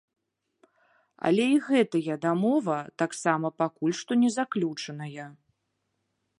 Але і гэтая дамова таксама пакуль што не заключаная.